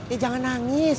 eh jangan nangis